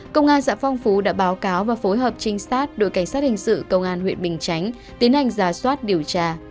công an xã phong phú đã báo cáo và phối hợp trinh sát đội cảnh sát hình sự công an huyện bình chánh tiến hành giả soát điều tra